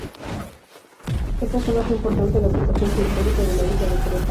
Esta zona fue importante en la ocupación prehistórica de la isla de Creta.